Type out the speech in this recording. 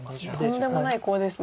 とんでもないコウですね。